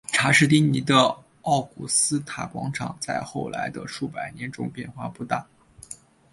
查士丁尼的奥古斯塔广场在后来的数百年中变化不大。